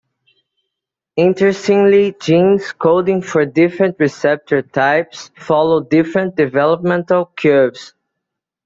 Interestingly, genes coding for different receptors types follow different developmental curves.